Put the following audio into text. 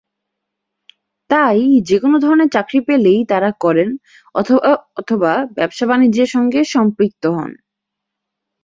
তাই যেকোনো ধরনের চাকরি পেলেই তাঁরা করেন অথবা ব্যবসা-বাণিজ্যের সঙ্গে সম্পৃক্ত হন।